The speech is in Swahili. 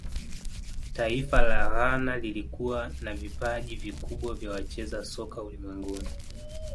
taifa la ghana lilikuwa na vipaji vikubwa vya wacheza soka ulimwenguni